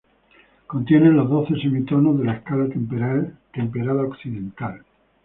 Contiene los doce semitonos de la escala temperada occidental.